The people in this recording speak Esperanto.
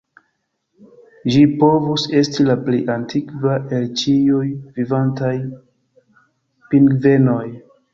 Ĝi povus esti la plej antikva el ĉiuj vivantaj pingvenoj.